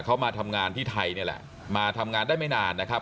เขามาทำงานที่ไทยนี่แหละมาทำงานได้ไม่นานนะครับ